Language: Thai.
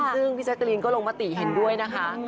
ซึ่งพี่แจ๊กลิจะลงปะติเห็นด้วยนะคะ